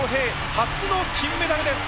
初の金メダルです！